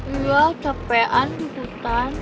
udah capean ikutan